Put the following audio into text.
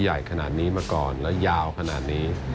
ใหญ่ขนาดนี้มาก่อนและยาวขนาดนี้